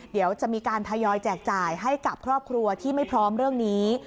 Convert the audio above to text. เดี๋ยวจะมีการทยอยแจกจ่ายให้กับครอบครัวที่ไม่พร้อมเรื่องนี้